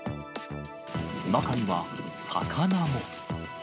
中には、魚も。